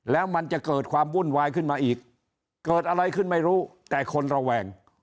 แล้วมันจะเกิดความวุ่นวายขึ้นมาอีกเกิดอะไรขึ้นไม่รู้แต่คนระแวง